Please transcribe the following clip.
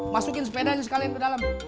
masukin sepedanya sekalian ke dalam